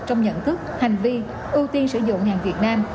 trong nhận thức hành vi ưu tiên sử dụng hàng việt nam